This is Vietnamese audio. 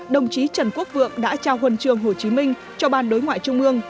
đồng chí trần quốc vượng đã trao huân trường hồ chí minh cho ban đối ngoại trung ương